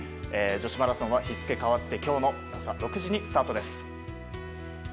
女子マラソンは日付変わって今日の朝６時にスタートです。